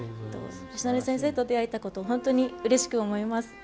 よしのり先生と出会えたこと本当にうれしく思います。